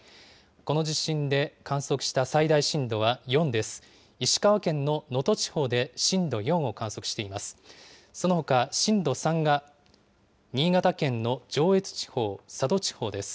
この地震で観測した最大震度は４です。